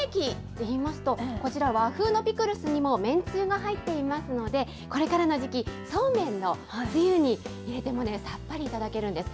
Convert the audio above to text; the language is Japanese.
調味液、こちら、和風のピクルスにもめんつゆが入っていますので、これからの時期、そうめんのつゆに入れても、さっぱり頂けるんです。